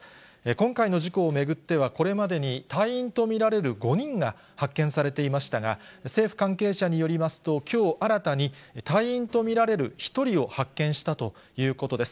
今回の事故を巡っては、これまでに隊員と見られる５人が発見されていましたが、政府関係者によりますと、きょう新たに、隊員と見られる１人を発見したということです。